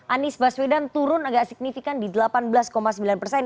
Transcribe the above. anies baswedan turun agak signifikan di delapan belas sembilan persen